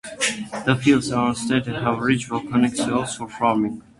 The fields around Staden have rich volcanic soils for farming.